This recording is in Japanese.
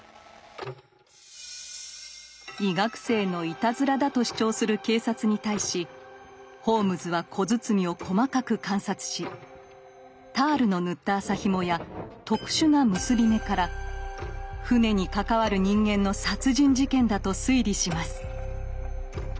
医学生のいたずらだと主張する警察に対しホームズは小包を細かく観察しタールの塗った麻ひもや特殊な結び目から船に関わる人間の殺人事件だと推理します。